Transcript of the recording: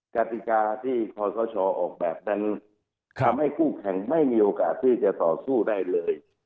กติกาที่คอสชออกแบบนั้นทำให้คู่แข่งไม่มีโอกาสที่จะต่อสู้ได้เลย